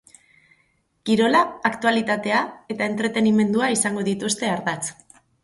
Kirola, aktualitatea eta entretenimendua izango dituzte ardatz.